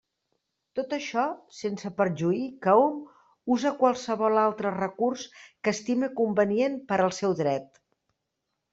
Tot això sense perjuí que hom use qualsevol altre recurs que estime convenient per al seu dret.